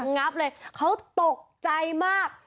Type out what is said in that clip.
งับเลยเขาตกใจมาก